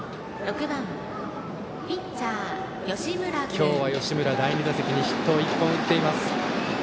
今日は吉村、第２打席にヒットを１本打っています。